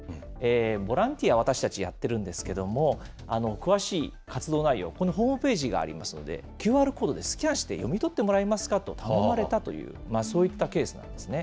ボランティア、私たちやってるんですけれども、詳しい活動内容、ここにホームページがありますので、ＱＲコードでスキャンして読み取ってもらえますかと頼まれたという、そういったケースなんですね。